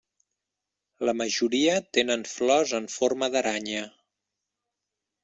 La majoria tenen flors en forma d'aranya.